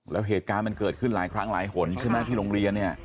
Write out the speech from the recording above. แล้วเหตุการณ์มันเกิดขึ้นหลายครั้งหลายหนใช่ไหมที่โรงเรียนเนี่ย